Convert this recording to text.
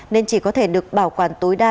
nên chỉ có thể được bảo quản tối đa